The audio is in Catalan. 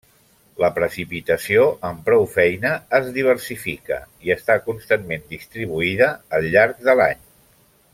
La precipitació amb prou feina es diversifica i està constantment distribuïda al llarg de l'any.